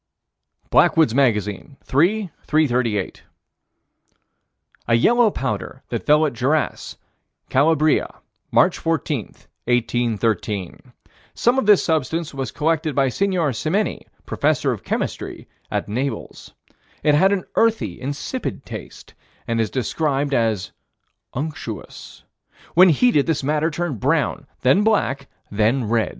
Blackwood's Magazine, 3 338: A yellow powder that fell at Gerace, Calabria, March 14, 1813. Some of this substance was collected by Sig. Simenini, Professor of Chemistry, at Naples. It had an earthy, insipid taste, and is described as "unctuous." When heated, this matter turned brown, then black, then red.